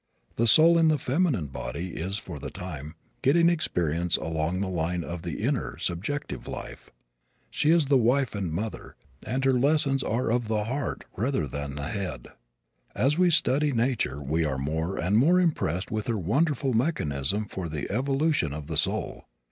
The soul in the feminine body is, for the time, getting experience along the line of the inner, subjective life. She is the wife and mother, and her lessons are of the heart rather than the head. As we study nature we are more and more impressed with her wonderful mechanism for the evolution of the soul.